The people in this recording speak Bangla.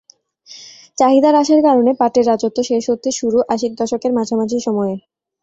চাহিদা হ্রাসের কারণে পাটের রাজত্ব শেষ হতে শুরু আশির দশকের মাঝামাঝি সময়ে।